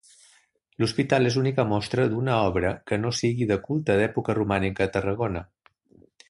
L'hospital és l'única mostra d’una obra, que no sigui de culte, d’època romànica a Tarragona.